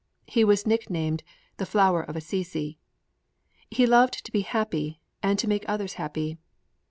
He was nick named the Flower of Assisi. He loved to be happy and to make others happy.